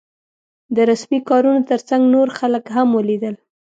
د رسمي کارونو تر څنګ نور خلک هم ولیدل.